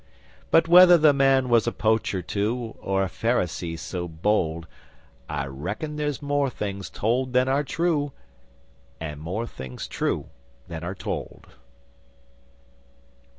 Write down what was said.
But whether the man was a poacher too Or a Pharisee so bold I reckon there's more things told than are true, And more things true than are told.